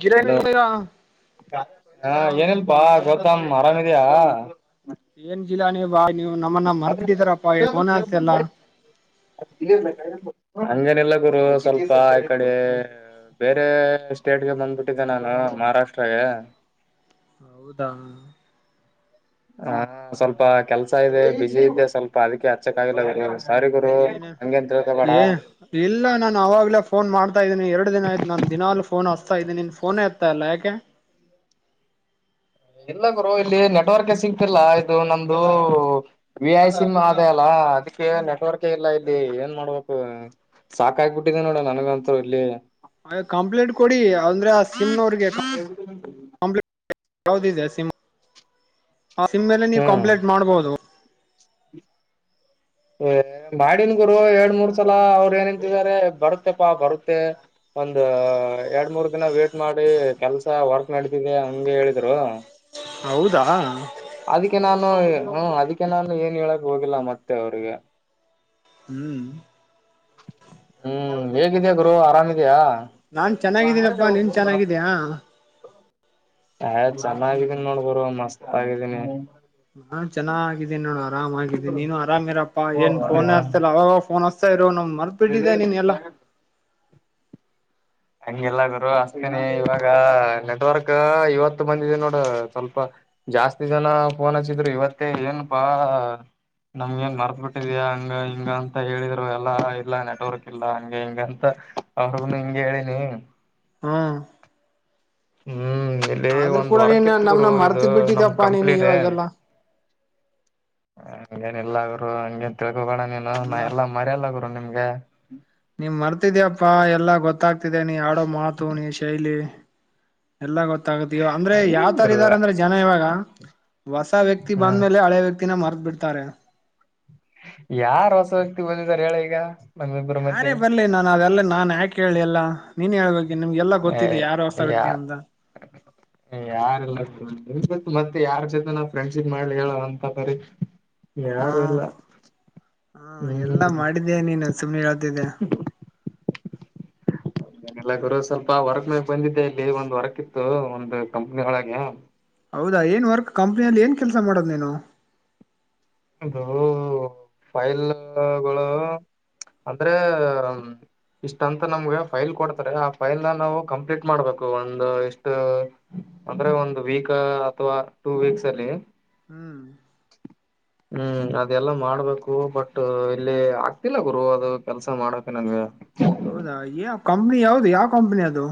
Kiran hello ಇಲ್ವಾ. ಹಾ ಏನಪಾ ಗೌತಮ್ ಆರಾಮ್ ಇದೀಯ ಏನ್ ಜಿಲ್ಲಾನಿ ಬಾ ನೀವ್ ನಮ್ಮನ್ನ ಮರ್ತ್ ಬಿಟ್ಟಿದಿರಪ್ಪಾ ಫೋನೆ ಹೆಚ್ಚಿಲ್ಲ. ಹಂಗೇನಿಲ್ಲ ಗುರು ಸ್ವಲ್ಪ ಆ ಕಡೆ ಬೇರೆ ಸ್ಟೇಟ್ಗೆ ಬಂದ್ಬಿಟ್ಟಿದ್ದೆ ನಾನು ಮಹಾರಾಷ್ಟ್ರಾಗೆ ಹೌದಾ ಹ ಸ್ವಲ್ಪ ಕೆಲ್ಸ ಇದೆ ಬಿಸಿ ಇದ್ದ ಸ್ವಲ್ಪ ಅದ್ಕೆ ಹಚ್ಚಕ್ ಆಗಿಲ್ಲ [unintelligible] ಏನ ಹಂಗೇನ್ ತಿಳ್ಕೊಬೇಡ ಏ ಇಲ್ಲ ನಾನ್ ಅವಾಗ್ಲೆ ಫೋನ್ ಮಾಡ್ ಹಚ್ತಾ ಇದೀನಿ ಎಡು ದಿನ ಆಯ್ತ್ ನಾನು ದಿನಾಲು ಪೋನ್ ಹಚ್ತಾ ಇದೀನಿ ನಿನ್ ಫೋನೇ ಎತ್ತಾಯಿಲ್ಲಯಾಕೆ. ಇಲ್ಲ ಗುರು ಇಲ್ಲಿ ನೆಟ್ವರ್ಕ್ ಸಿಗ್ತಿಲ್ಲ ಇದು ನಮ್ದು ವಿ ಐ ಸಿಮ್ ಅದೇ ಅಲ್ಲ. ಅದಿಕ್ಕೆ ನೆಟ್ವರ್ಕ್ ಇಲ್ಲ ಇಲ್ಲಿ ಏನ್ ಮಾಡ್ಬೇಕು ಸಾಕಾಗಿಬಿಟ್ಟಿದೆ ನೋಡ ನನಗಂತೂ ಇಲ್ಲಿ. ಅದೆ ಕಂಪ್ಲೇಂಟ್ ಕೊಡಿ ಅಂದ್ರೆ ಆ ಸಿಮ್ ನೋರಿಗೆ ಕಂಪ್ಲೀಟ್ ಯಾವದಿದೆ ಸಿಮ್ ಆ ಸಿಮ್ ಮೇಲೆ ನೀವು ಹ್ಮ್ ಕಂಪ್ಲೇಂಟ್ ಮಾಡ್ಬೋದು. ಹೆ ಮಾಡಿನ್ ಗುರು ಎರಡ್ ಮೂರ್ ಸಲ ಅವರು ಏನಂತಿದಿದ್ದಾರೆ ಬರುತ್ತೆ ಪಾ ಬರುತ್ತೆ. ಒಂದ ಎರಡ್ ಮೂರ್ ದಿನ ವೇಟ್ ಮಾಡಿ ಕೆಲ್ಸ ವರ್ಕ್ ನಡಿತಿದೆ ಹಂಗೆ ಹೇಳಿದ್ರು. ಹೌದಾ ಅದಕ್ಕೆ ನಾನು ಹ್ಮ ಅದಿಕ್ಕೆ ನಾನು ಏನ್ ಹೇಳಕ್ ಹೋಗಿಲ್ಲ ಮತ್ತೆ ಅವ್ರಿಗೆ. ಹ್ಮ್. ಹ್ಮ್ ಹೇಗಿದಿಯ ಗುರು ಆರಾಮಿದಿಯಾ. ನಾನ್ ಚೆನ್ನಾಗಿದ್ದೀನಪ್ಪಾ ನೀನ್ ಚೆನ್ನಾಗಿದೀಯಾ. ಅಯ್ ಚೆನ್ನಾಗಿದೀನಿ ನೋಡ್ ಗುರು ಮಸ್ತ್ ಆಗಿದೀನಿ. ನಾನ್ ಚೆನ್ನಾಗಿದ್ದೀನಿ ನೋಡು ಆರಾಮ ಆರಾಮಗಿದ್ದೀನಿ ನೀನು ಆರಾಮ್ ಇರಪ್ಪಾ ಏನ್ ಪೋನೆ ಹಚ್ತಿಲ್ಲ ಅವಾಗವಾಗ್ ಫೋನ್ ಹಚ್. ಚ್ಚ್ ನಮ್ ಮರ್ತ್ ಬಿಟ್ಟಿದಿಯ ನೀನೆಲ್ಲಾ. ಹಂಗೆಲ್ಲ ಗರು ಅಷ್ಟೇನೆ ಇವಾಗ ನೆಟ್ವರ್ಕ್ ಇವತ್ತು ಬಂದಿದೆ ನೋಡ ಸ್ವಲ್ಪ. ಜಾಸ್ತಿ ಜನ ಫೋನ್ ಹಚ್ಚಿದ್ರು ಇವತ್ತೇ ಏನಪಾ ನಮ್ಗೆ ಏನ್ ಮರ್ತ್ ಬಿಟ್ಟಿದ್ಯಾ ಹಂಗ ಹಿಂಗ ಅಂತ ಹೇಳಿದ್ರು ಎಲ್ಲಾ ಇಲ್ಲಾ ನೆಟ್ವರ್ಕ್ ಇಲ್ಲ ಹಂಗೆ ಹಿಂಗೆ ಅಂತ. ಅವ್ರಿಗುನು ಹಿಂಗೆ ಹೇಳಿನಿ. ಹ್ಮ ಹ್ಮ್ ಇಲ್ಲಿ ಒಂದ್ ಕೂಡ ವರ್ಕ್ ನೀನ್ ಇತ್ ನಮ್ನ ಗುರು ಇದು ಮರ್ತ ನಮ್ ಬಿಟ್ಟಿದ್ಯಪ್ಪಾ ನೀನು ಕಂಪನಿದು. ಇವಾಗೆಲ್ಲಾ ಹಾಗಲ್ಲ ಅಲ್ಲ ಗುರು ಹಂಗ್ ಹೇನ್ ತಿಳ್ಕಬೇಡ ನೀನು ಎಲ್ಲಾ ಮರೆಯಲ್ಲ ಗುರು ನಿಮ್. ಹಲೋ ನೀನು ಮರ್ತಿದ್ಯಪ್ಪ ಎಲ್ಲಾ ಗೊತ್ತಾಗ್ತಿದೆ ನೀ ಆಡೋ ಮಾತು ನೀ ಶೈಲಿ, ಎಲ್ಲ ಗೊತ್ತು ತಗೋತೀವಿ ಅಂದ್ರೆ ಹಂಗೇನ್ ಯಾವ್ ತರ ಗುರು ಇದಾರೆ ಅಂದ್ರೆ ಜನ ಇವಾಗ ಹೊಸ ವ್ಯಕ್ತಿ ಹ್ಮ್ ಬಂದ್ಮೇಲೆ ಹಳೆ ವ್ಯಕ್ತಿ ತಿನ್ನನ ಅರೆದು ಬಿಡ್ತಾರೆ. ಯಾರ್ ಹೊಸ ವ್ಯಕ್ತಿ ಬಂದಿದ್ದಾರೆ ಹೇಳು ಈಗ. ನಮ್ಮಿಬ್ಬರ ಯಾರೇ ಮಧ್ಯೆ ಬರ್ಲಿ ನಾನು ಅವೆಲ್ಲ ನಾನ್ ಯಾಕು ಹೇಳಿಲ್ಲ ನೀನೇ ಹೇಳು. ನಿಮಗೆಲ್ಲಾ ಏ ಗೊತ್ತಿದೆ ಯಾರು ಹೊಸ ಯಾ ವ್ಯಕ್ತಿ ಅಂತ. ಪ್ರಿನ್ಸಿಪಲ್ ಯಾರ ಜೊತೆ ನಾವು ಫ್ರೆಂಡ್ಶಿಪ್ ಮಾಡ್ಲಿಲ್ಲ ಅಂತ ಕೇಳು. ಹಾ ಯಾರು ಇಲ್ಲ ಹಾ ಎಲ್ಲಾ ಹ್ಮ್ ಮಾಡಿದ್ದೆ ನೀನು ಸುಮ್ನೆ ಸುಮ್ನೆ ಹೇಳ್ತಾ ಇದ್ದೀಯಾ ಇನ್ನೇನಿಲ್ಲ ಗುರು ಸ್ವಲ್ಪ ವರ್ಕ್ ಮೇಲೆ ಬಂದಿದ್ದೆ ಇಲ್ಲಿ ಒಂದ್ ವರ್ಕ್ ಇತ್ತು ಒಂದುಕಂಪ್ನಿ ಒಳಗೆ. ಹೌದಾ ಏನ್ ವರ್ಕ್ ಕಂಪ್ನಿಯಲ್ಲಿ ಏನ್ ಕೆಲಸ ಮಾಡೋದು ನೀನು. ಅದು ಫೈಲ್ಗಳು. ಅಂದ್ರೆ ಇಷ್ಟು ಅಂತ ನಮ್ಗೆ ಫೈಲ್ ಕೊಡ್ತಾರೆ ಆ ಫೈಲ್ ನ ನಾವು ಕಂಪ್ಲೀಟ್ ಮಾಡ್ಬೇಕು ಒಂದು ಇಷ್ಟು ಅಂದ್ರೆ ಒಂದು ವೀಕ್ ಅಥವಾ ಟೂ ವೀಕ್ಸ್ ಅಲ್ಲಿ ಹ್ಮ್ [inaudible] ಹ್ಮ್ ಅದೆಲ್ಲ ಮಾಡ್ಬೇಕು ಬಟ್ ಇಲ್ಲಿ ಆಗ್ತಿಲ್ಲ ಗುರು ಅದು ಕೆಲ್ಸ ಮಾಡೋಕೆ ನನಗೆ ದ ಹೌದಾ ಯಾವ ಕಂಪನಿ ಯಾವುದು ಯಾವ ಕಂಪನಿ ಅದು.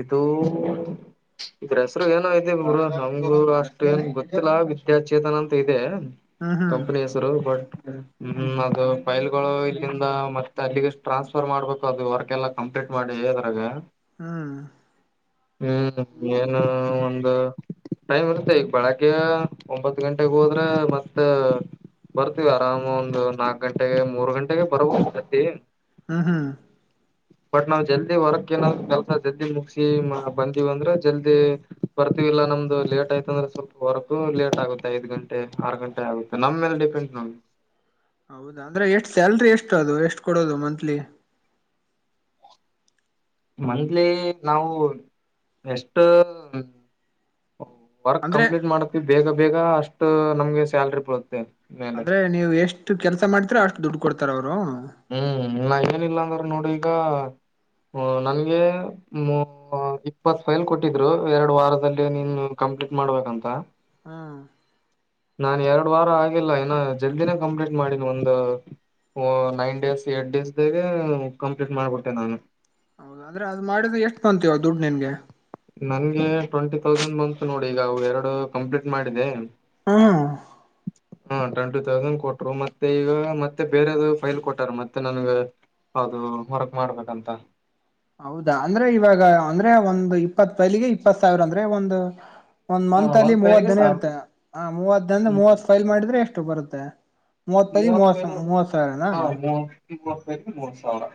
ಇದು ಇದ್ರ ಹೆಸರು ಏನೋ ಇದೆ ಮುರ ಹಂಗು ಅಷ್ಟು ಏನ್ ಗೊತ್ತಿಲ್ಲ ವಿದ್ಯಾಚೇತನ ಅಂತ ಇದೆ. ಹ್ಮ್ ಹ್ಮ್ ಕಂಪನಿ ಹೆಸರು ಬಟ್ ಹ್ಮ್ ಅದು ಫೈಲ್ಗಳು ಇಲ್ಲಿಂದ ಮತ್ತೆ ಅಲ್ಲಿಗೆ ಟ್ರಾನ್ಸ್ಫರ್ ಮಾಡ್ಬೇಕು ಅದು ವರ್ಕ್ ಎಲ್ಲಾ. ಅಪ್ಡೇಟ್ ಮಾಡಿ ಇದ್ರಾಗ. ಹ್ಮ ಹ್ಮ್ ಏನೋ ಒಂದು. ಟೈಮ್ ಇರುತ್ತೆ ಈಗ ಬೆಳಗ್ಗೆ ಒಂಬತ್ ಗಂಟೆಗೆ ಹೋದ್ರೆ ಮತ್ತೆ ಬರ್ತೀವಿ ಆರಾಮ್ ಒಂದುನಾಕ್ ಗಂಟೆಗೆ ಮೂರ್ ಗಂಟೆಗೆ ಬರಕತೈತಿ. ಹ್ಮ್ ಹ್ಮ್ ಬಟ್ ನಾವು ಜಲ್ದಿ ಮಾಡಕಿನ್ನ ಕೆಲ್ಸ ಜಲ್ದಿ ಮುಗಿಸಿ ಬಂದೀವ ಅಂದ್ರೆ ಜಲ್ದಿ ಬರ್ತೀವಿ. ಇಲ್ಲ ನಮ್ದು ಲೇಟ್ ಆಯ್ತ ಅಂದ್ರೆ ಸ್ವಲ್ಪ ವರ್ಕು ಲೇಟ್ ಆಗುತ್ತೆ ಐದು ಗಂಟೆ ಆರು ಗಂಟೆ ಆಗುತ್ತೆ ನಮ್ಮ ಮೇಲೆ ಡಿಪೆಂಡ್ ನೋಡಿ. [inaudible] ಹೌದಾ ಅಂದ್ರೆ ಎಷ್ಟ್ ಸ್ಯಾಲ್ರಿ ಎಷ್ಟು ಅದು ಎಷ್ಟು ಕೊಡೋದು ಮಂತ್ಲಿ. ಮಂತ್ಲಿ ನಾವು ಎಷ್ಟೇನ ವರ್ಕ್ ಅಂದ್ರೆ ಕಂಪ್ಲೀಟ್ ಮಾಡುತ್ವಿ ಬೇಗ ಬೇಗ ಅಷ್ಟು ನಮ್ಗೆ ಸ್ಯಾಲ್ರಿ ಬರುತ್ತೆ. ಅಂದ್ರೆ ನೀವು ಎಷ್ಟು ಕೆಲ್ಸ ಮಾಡ್ತಿರಾ ಅಷ್ಟು ದುಡ್ಡು ಕೊಡ್ತಾರೆ ಅವರು. ಹ್ಮ್ ನಂಗು ನಿಮ್ಮಂಗ್ ನೋಡಿದ. ಹೋ ನಂಗೆ ಇಪ್ಪತ್ ಫೈಲ್ ಕೊಟ್ಟಿದ್ರು ಎರಡು ವಾರದಲ್ಲಿ ನೀ ನೋಡ್ಕೋ. ಇದುಕ್ಕು ಮಾಡಬೇಕಂತ. ಹೂ ಎರಡು ವಾರ ಆಗಿಲ್ಲ ಇನ್ನು ಜಲ್ದಿನೆ ಕಂಪ್ಲೀಟ್ ಮಾಡಿದೆ ಒಂದು ನೈ ಡೇಸ್ ಏ ಡೇಸ್ ಬೇಗನೆ ನಾನು ಕಂಪ್ಲೀಟ್ ಮಾಡ್ಬಿಟ್ಟೆ ನಾನು. ಹೌದ ಅಂದ್ರೆ ಅದು ಮಾಡಿದ್ರೆ ಎಷ್ಟು ಬಂತು ದುಡ್ಡು ನಿನಗೆ. ನಂಗೆ ಟ್ವೆಂಟಿ ತೌಸಂಡ್ ಬಂತು ನೋಡಿ ಈಗ ಎರಡು ಕಂಪ್ಲೀಟ್ ಮಾಡಿದೆ. ಹಾ ಹಾ ಟ್ವೆಂಟಿ ತೌಸಂಡ್ ಕೊಟ್ರು ಮತ್ತೆ ಈಗ ಮತ್ತೆ ಬೇರೆದ್ ಫೈಲ್ ಕೊಟ್ಟಾರ ಮತ್ತೆ ನನಗೆ. ಹೌದು ವರ್ಕ್ ಮಾಡ್ಬೇಕಂತ ಹೌದಾ ಅಂದ್ರೆ ಇವಾಗ ಅಂದ್ರೆ ಒಂದು ಇಪ್ಪತ್ ತೋಲಿಗೆಗಿ ಇಪ್ಪತ್ ಸಾವಿರ ಅಂದ್ರೆ ಒಂದು ಒಂದ್ ಹ ಮಂತ್ ಅಲ್ಲಿ ಒಂದ್ ಮೂವತ್ತು ಫೈಲ್ಗೆ ದನ ಸಾವಿರ ರೂಪಾಯಿ ಇರುತ್ತೆ ಆ ಮೂವತ್ ದನ ಹ್ಮ್ ಮೂವತ್ ಫೈಲ್ ಮಾಡಿದ್ರೆ ಎಷ್ಟು ಬರುತ್ತೆ. ಮೂವತ್ತೈದು ಮೂವತ್ತಸಾವಿರಾನಾ [unintelligible] ಮೂರ್ ಸಾವಿರ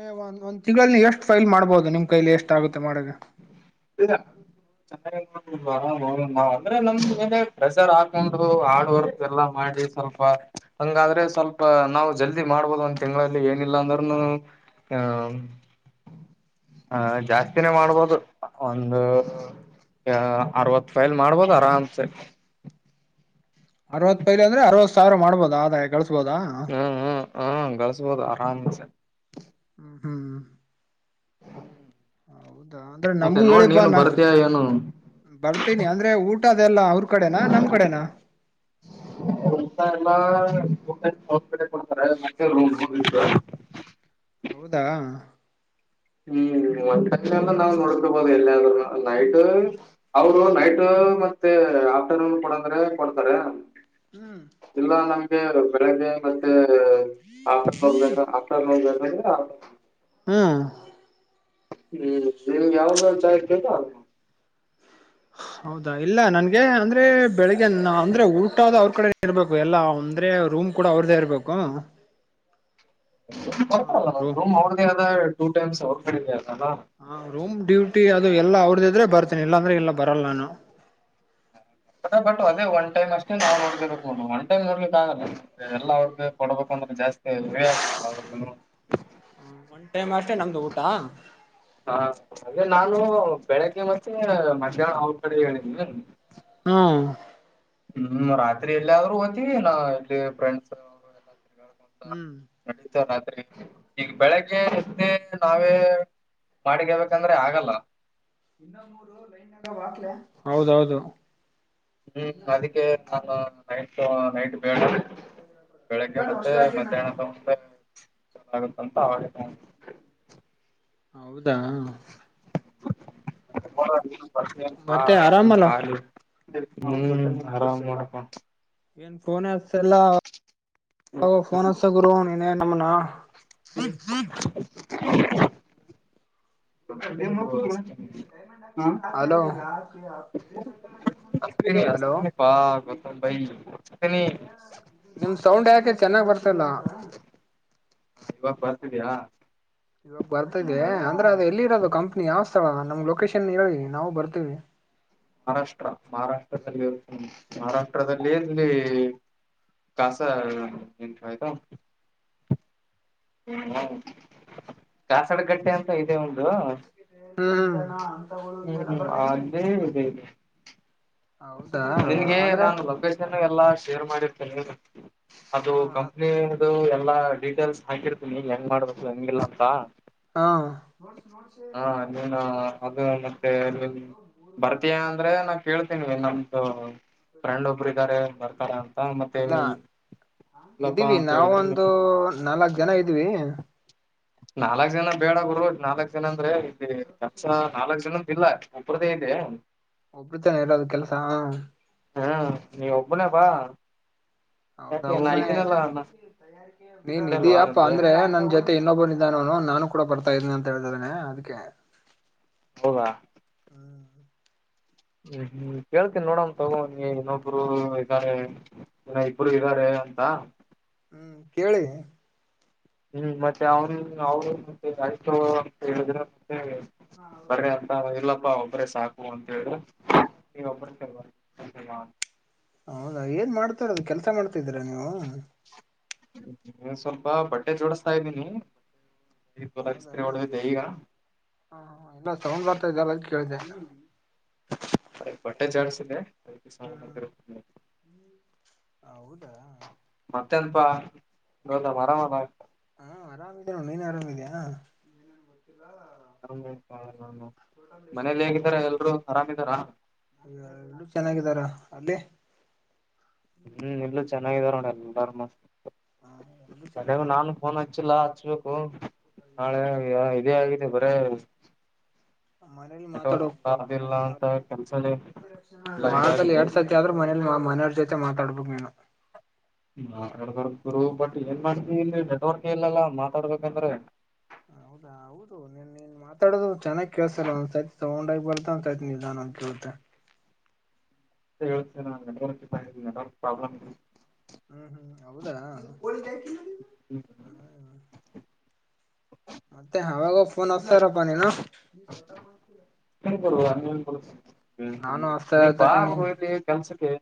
ಅ ಒ ಒಂದ್ ತಿಂಗಳಲ್ಲಿ ಎಷ್ಟ್ ಫೈಲ್ ಮಾಡ್ಬಹದು ನಿಮ ಕೈಲಿ ಎಷ್ಟ ಆಗುತ್ತೆ ಮಾಡಗ ಆರ್ ನಾವ್ ಅಂದ್ರೆ ನಮ್ ಮೇಲೆ ಪ್ರೆಷರ್ ಹಾಕೊಂಡು ಹಾರ್ಡ್ ವರ್ಕ್ ಎಲ್ಲಾ ಮಾಡಿ ಸ್ವಲ್ಪ ಹಂಗಾದ್ರೆ ಸ್ವಲ್ಪ ನಾವು ಜಲ್ದಿ ಮಾಡ್ಬೋದು ಒಂದ ತಿಂಗಳಲ್ಲಿ ಏನಿಲ್ಲ ಅಂದ್ನು ಹಾ ಹ ಜಾಸ್ತಿನೇ ಮಾಡ್ಬೋದು ಒಂದು ಅ ಅರವತ್ ಫೈಲ್ ಮಾಡ್ಬೋದು ಆರಾಮ್ಸೆ ಅರವತ್ ಪೈಲಿ ಅಂದ್ರೆ ಅರವತ್ ಸಾವಿರ ಮಾಡ್ಬೋದಾ ಅರ ಕಳಸ್ಬೋದಾ ಹಾ ಗಳಸ್ಬೋದು ಆರಾಮ್ಸೆ ಹ್ಮ ಹ್ಮ್ ಹೌದಾ ಅಂದ್ರೆ ಮತ್ತೆ ನಮಗೂ ಹೇಳಿ ನೋಡ್ ನೀನು ಬಾನ ಬರ್ತೀಯ ಏನು ಬರ್ತೀನಿ ಅಂದ್ರೆ ಊಟದೆಲ್ಲ ಅವ್ರ ಕಡೆನಾ ನಮ್ ಕಡೆನಾ [unintelligible] [unintelligible] ಹೌದಾ ಹ್ಮ್ ಮ ನಾವು ನೋಡ್ಕೋಬಹುದು ಎಲ್ಲಿಂದರು ನೈಟ್ ಅವರು ನೈಟ್ ಮತ್ತೆ ಆಫ್ಟರ್ನೂನ್ ಕೊಡಂದ್ರೆ ಕೊಡ್ತಾರೆ ಹ್ಮ್ ಇಲ್ಲ ನಮಗೆ ಬೆಳಗ್ಗೆ ಮತ್ತೆ [unintelligible] ಹ್ಮ್ ಹ್ಮ್ ನಿಮ್ಗೆ ಯಾವ್ದೋ ಜಾಯ ಕದ [unintelligible] ಹೌದಾ ಇಲ್ಲ ನನ್ಗೆ ಅಂದ್ರೆ ಬೆಳಿಗ್ಗೆ ಅಂದ್ರೆ ಊಟ ಆದ ಅವ್ರ ಕಡೆ ಇರ್ಬೇಕು ಎಲ್ಲ ಅಂದ್ರೆ ಕೂಡ ಅವ್ರದೇ ಇರ್ಬೇಕು. ಬಲ್ಲ ನ ರೂಮ್ ಅವ್ದೇ ಆದ ಟೂ ಟೈಮ್ಸ್ ಅವ್ರಗಡೆ ಹಾ ರೂಮ್ ಡ್ಯೂಟಿ ಅದು ಎಲ್ಲಾ ಅವ್ರದ್ದ ಇದ್ರೆ ಬರ್ತೇನಿ ಇಲ್ಲಾಂದ್ರೆ ಇಲ್ಲ ಬರಲ್ಲ ನಾನು ಅದ ಬಟ್ ಅದೇ ಒನ್ ಟೈಮ್ ಅಷ್ಟೆ ನಾವು ನೋಡ್ಕೇಬೇಕ್ ನೋಡ ಒನ್ ಟೈಮ್ ನೋಡ್ಲಿಕ್ ಆಗಲ್ಲ ಎಲ್ಲ ಅವ್ರಿಗೆ ಕೊಡ್ಬೇಕುಂದ್ರೆ ಜಾಸ್ತಿ [unintelligible] ಹ್ಮ್ ಹಾ ಅಲೇ ನಾನು ಬೆಳಗ್ಗೆ ಮತ್ತೆ ಮಧ್ಯಾಹ್ನ ಅವ ಕಡೆ ಹೇಳಿದ ಹ್ಮ್ ಹ್ಮ್ ರಾತ್ರಿ ಎಲ್ಲಾದ್ ಹೋತವಿ ನಾ ಎಲ್ಲಿ ಫ್ರೆಂಡ್ಸ್ ಹ್ಮ್ ನಡೀತೇವೆ ರಾತ್ರಿ ಈಗ ಬೆಳಗ್ಗೆ ಎಷ್ಟೇ ನಾವೇ ಬಾಡಿಗೆ ಹೇಳ್ಬೇಕಂದ್ರೆ ಆಗಲ್ಲ [unintelligible] ಹೌದೌದು ಹ್ಮ್ ಅದಕ್ಕೆ ನಾನ ನೈಟ್ ನೈಟ್ ಬೇಡ ಬೆಳಗ್ಗೆ ಮತ್ತೆ ಮಧ್ಯಾಹ್ನ ಸಮ [unintelligible] ಹೌದಾ ಮತ್ತೆ ಆರಾಮಲ್ಲ [unintelligible] ಏನ್ [unintelligible] ಆರಾಮ ಏನ್ ಫೋನ್ ಹಚಲ್ಲಾ ಫೋನ್ ಹಚಗುರು ನೀನೇ ನಮನ [unintelligible] ಹಲೋ ಹಚ್ತೀನಿ ಹಲೋ ಹಚ್ತೀನಿ ಪಾ ಗೊತ್ತ ಬೈ ಹಚ್ತೀನಿ ನಿಮ ಸೌಂಡ್ ಯಾಕೆ ಚೆನ್ನಾಗ್ ಬರ್ತಲ್ಲ ಇವಾಗ ಬರ್ತಿದ್ಯಾ ಇವಾಗ ಬರ್ತಿದೀಯಾ ಅಂದ್ರೆ ಅದು ಎಲ್ಲಿ ಇರೋದು ಕಂಪ್ನಿ ಯಾವ್ ಸ್ಥಳ ನಮ್ ಲೊಕೇಶನ್ ಹೇಳಿ ನಾವು ಬರ್ತೀವಿ ಮಹಾರಾಷ್ಟ್ರ ಮಹಾರಾಷ್ಟ್ರದಲ್ಲಿ ಮಹಾರಾಷ್ಟ್ರದಲ್ಲಿ ಎಲ್ಲಿ ಕಾಸ ಎಂಟ್ರಾಯ್ತಾ [unintelligible] ಕಾಸಡಗಟ್ಟೆ ಅಂತ ಇದೆ ಒಂದು ಹ್ಮ್ ಹ್ಮ್ ಹ್ಮ್ ಹಳೇ ಇದೇವೆ ಹೌದಾ ನಿನ್ಗೆ ಅಂದ್ರೆ ನಾನು ಲೊಕೇಶನ್ ಎಲ್ಲಾ ಶೇರ್ ಮಾಡಿರ್ತೀನಿ ಅದು ಹಾ ಕಂಪ್ನಿದು ಎಲ್ಲಾ ಡೀಟೇಲ್ಸ್ ಹಾಕಿರ್ತೀನಿ ಹೆಂಗ್ ಮಾಡ್ಬೇಕು ಹೆಂಗಿಲ್ಲಂತಾ ಹಾ ನೀನು ಅದು ಮತ್ತೆ ನೀನ್ ಬರ್ತೀಯಾ ಅಂದ್ರೆ ನಾನ್ ಕೇಳ್ತೀನೀ ನಮ್ದು ಫ್ರೆಂಡ್ ಒಬ್ರಿದಾರೆ ಬರ್ತಾರೇ ಮತ್ತೆ ಇಲ್ಲ ನೀ ಸ್ವಲ್ಪಾ ಇದೀವಿ ಅಂತ ಹೇಳಿದ್ರೆ ನಾವೊಂದು ಮತ್ತೆ ನಾಲ್ಕ್ ಜನ ಇದ್ವಿ ನಾಲಕ್ ಜನಾ ಬೇಡಾ ಗುರು ನಾಲಕ್ ಜನಾ ಅಂದ್ರೆ ಇಲ್ಲಿ ಕೆಲ್ಸಾ ನಾಲಕ್ ಜನಡೂ ಇಲ್ಲ ಒಬ್ಬ್ರುದೆ ಇದೆ ಒಬ್ರದೆ ಇರೋದ ಕೆಲಸಾ ಹ್ಮ ನೀ ಒಬ್ಬನ ಬಾ ಹೌದಾ ಯಾಕೆ ನಾ ಒಬ್ಬನೇ ಇದ್ದೀನಲ್ಲ [unintelligible] ನಾ ನೀನ್ ಸಿಗ್ತ ಅಲ್ವಾ ಇದೀಯಪ್ಪ ನಿನ್ಗೆ ಅಂದ್ರೆ ನನ್ ಜೊತೆ ಮತ್ತೆ ಇನ್ನೊಬ್ಬನಿದಾನ ಅವನು ನಾನು ಕೂಡ ಬರ್ತಾ ಇದ್ದೀನಿ ಅಂತ ಹ ಹೇಳ್ತಿದಾನೆ ಅದಕ್ಕೆ ಹೌದಾ ಹ್ಮ್ ಹ್ಮ್ ಹ್ಮ್ ಕೇಳ್ತೀನ್ ನೋಡನ್ ತಗೋ ನೀ ಇನ್ನೊಬ್ರು ಇದಾರೆ ಇನ್ನು ಇಬ್ರು ಇದಾರೆ ಅಂತ ಹ್ಮ್ ಕೇಳಿ ಹ್ಮ್ ಮತ್ತೆ ಅವನು ಅವ ಮತ್ತೆ ಅಷ್ಟು ಹೇಳಿದ್ರೆ ಹೇ ಬರ್ರಿ ಅಂತರೋ ಇಲ್ಲೋ ಒಬ್ರೇ ಸಾಕು ಅಂತೇಲಿ ನೀ ಒಬ್ಬ್ರ [inaudible] ಹೌದಾ ಏನ್ ಮಾಡ್ತಾರದು ಕೆಲ್ಸ ಮಾಡ್ತಿದ್ದೀರಾ ನೀವು ಸ್ವಲ್ಪ ಬಟ್ಟೆ ಜೋಡಸ್ತಾಇದಿನಿ ಹೌದಾನೂ ಹ್ ಹಾ ಇಲ್ಲ ಸೌಂಡ್ ಬರ್ತಾದೆಲ್ಲ ಕೇಳಿದೆ ಅದೆ ಬಟ್ಟೆ ಜಾಡ್ಸಿದೆ ಅದಕ್ಕೆ ಸೌಂಡ್ ಹ್ಮ್ ಬರ್ತಿದೆ ಏನೂ ಹೌದಾ ಮತ್ತೆನ್ಪಾ ಗೌತಮ್ ಅರಾಮಲಾ ಹಾ ಅರಾಮಿದೆನ ನೋಡ್ ನಿನ್ ಅರಾಮಿದಿಯಾ [unintelligible] ಆರಾಮ್ ಅಪ್ಪ ನಾನು ಮನೇಲಿ ಹೇಗಿದ್ದಾರ ಎಲ್ರು ಅರಾಮಿದಾರಾ ಅಲ್ಲೆಲ್ರು ಚೆನ್ನಾಗಿದಾರ ಅಲ್ಲಿ ಇಲ್ಲೂ ಎಲ್ರು ಚೆನ್ನಾಗಿದಾರ ನೋಡ ಎಲ್ಲಾರೂ ಮಸ್ತ್ ಹ ಎಲ್ಲೂ ಎಲ್ಲಾರ್ಗು ಚೆನ್ನಾಗಿದಾರ ನಾನು ಫೋನ್ ಹಚ್ಚಿಲ್ಲ ಹಚ್ಬೇಕು ನಾಳೆಯಾಗಿದೆ ಇದೇ ಆಗಿದೆ ಬರೇ ಮನೇಲಿ ನೆಟ್ವರ್ಕ್ ಮಾತಾಡಾಕ್ ಇಲ್ಲ ಪಾಪ ಅದಿಲ್ಲ ಅಂತ ಕೆಲ್ಸನೇ ಎಲ್ಲ [unintelligible] ವಾರದಲೆ ಇದಾಗಿದೆ ಎರಡ್ಸತಿ ಆದ್ರೂ ಮನೇಲಿ ಮನೆಯವ್ರ ಜೊತೆ ಮಾತಾಡ್ಬೇಕ ನೀನು ಮಾತಾಡ್ಬಾರ್ದ ಗುರು ಬಟ್ ಏನ್ ಮಾಡ್ತಿ ಇಲ್ಲಿ ನೆಟ್ವರ್ಕ್ ಇಲ್ಲಲಾ ಮಾತಾಡ್ಬೇಕಂದ್ರ [unintelligible] ಹೌ ಹೌದು ನೀನ್ ನೀನ್ ಮಾತಾಡೋದು ಚೆನ್ನಾಗಿ ಕೇಳ್ಸಲ್ಲ ಒಂದ್ ಸತಿ ಸೌಂಡ್ ಆಗಿ ಬರ್ತದ ನಿಧಾನಾಗಿ ಕೇಳ್ತ [inaudible] ಇದ ಹೇಳ್ತನ ಅವಂಗ ನೆಟ್ವರ್ಕ್ ಪಾ ಇದು ನೆಟ್ವರ್ಕ್ ಪ್ರಾಬ್ಲಮ್ ಇದೆ ಹ್ಮ್ ಹ್ಮ್ ಹೌದಾ [unintelligible] ಹ್ಮ ಮತ್ತೆ ಅವಾಗವಾಗ ಫೋನ್ ಹಸ್ತಾರಪ್ಪಾ ನೀನು [unintelligible] ಏನ್ಪಾ ನಾನು ನೀನು ಹಸ್ತಾ ನೀನ್ ಬಾ ಗುರು ಇಲ್ಲಿ ಕೆಲ್ಸಕ್ಕೆ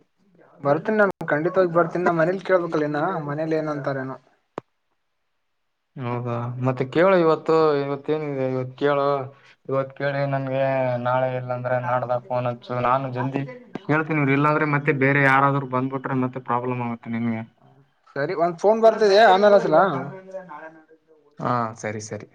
ಬರ್ತಿನ್ ನಾನ್ ಖಂಡಿತವಾಗಿ ಬರ್ತೀನ್ ನಾ ಮನೇಲಿ ಕೇಳ್ಬೇಕಲ್ಲೇನ ಮನೇಲೆನಂತಾರೇನೋ ಹೌದಾ ಮತ್ತ ಕೇಳು ಇವತ್ತು ಇವತ್ತೇನಿದೆ ಇವತ್ಕೆಳು ಇವತ್ಕೆ ನನ್ ನಾಳೆ ಇಲ್ಲ ಅಂದ್ರೆ ನಾಡ್ದಾಗಫೋನ್ ಹಚ್ಚು ನಾನು ಜಲ್ದಿ ಕೇಳ್ತಿನನ ಇಲ್ಲಾಂದ್ರೆ ಮತ್ತೆ ಬೇ ಯಾರಾದ್ರರು ಬಂದ್ ಬಿಟ್ರೆತ್ತ ಪ್ರಾಬ್ಲಮ ಆಗುತ್ತೆ ನಿನ್ಗೆ ಸರಿ ಒಂದ್ ಫೋನ್ ಬರ್ತಿದೆ ಆಮೇಲೆಸಲಾ ಹಾ ಸರಿ ಸರಿ